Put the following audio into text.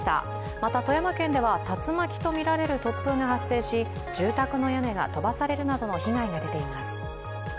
また、富山県では竜巻とみられる突風が発生し、住宅の屋根が飛ばされるなどの被害が出ています。